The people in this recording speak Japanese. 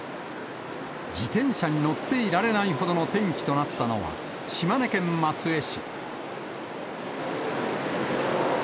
自転車に乗っていられないほどの天気となったのは、島根県松江市。